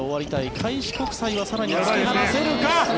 開志国際は更に突き放せるか！